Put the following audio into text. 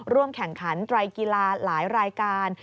ร่วมแข่งขันใดกีฬาหลายรายการ